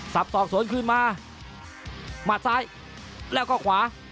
สับสอกสวนขึ้นมาหมัดซ้ายแล้วก็ขวา